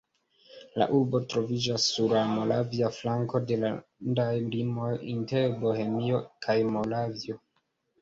La urbo troviĝas sur la moravia flanko de landaj limoj inter Bohemio kaj Moravio.